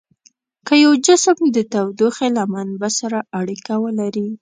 که یو جسم د تودوخې له منبع سره اړیکه ولري.